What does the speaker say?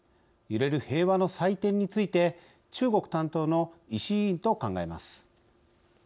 揺れる平和の祭典について中国担当の石井委員と考えます。